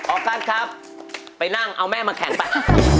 ออกัสครับไปนั่งเอาแม่มาแข็งไป